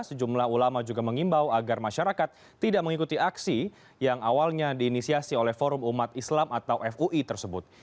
sejumlah ulama juga mengimbau agar masyarakat tidak mengikuti aksi yang awalnya diinisiasi oleh forum umat islam atau fui tersebut